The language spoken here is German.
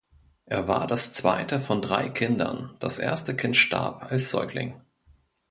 Er war das zweite von drei Kindern, das erste Kind starb als Säugling.